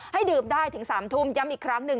ดื่มได้ถึง๓ทุ่มย้ำอีกครั้งหนึ่ง